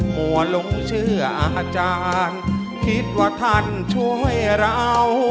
หัวหลงเชื่ออาจารย์คิดว่าท่านช่วยเรา